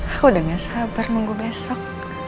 aku udah gak sabar minggu besok